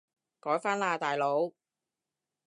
改返喇大佬